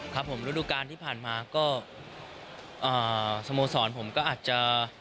ครับผมฤดูการที่ผ่านมาก็สโมสรผมก็อาจจะ